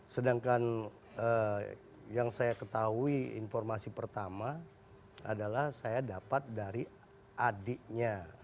sedangkan yang saya ketahui informasi pertama adalah saya dapat dari adiknya